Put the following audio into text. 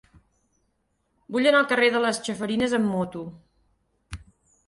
Vull anar al carrer de les Chafarinas amb moto.